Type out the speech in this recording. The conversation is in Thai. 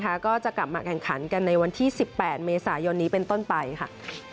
ก็จะกลับมาแข่งขันกันในวันที่๑๘เมษายนนี้เป็นต้นไปค่ะ